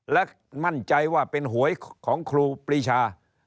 และมั่นใจว่าเป็นหวยของครูปรีชา